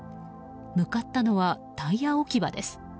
向かったのはタイヤ置場です。